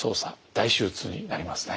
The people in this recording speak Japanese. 大手術になりますね。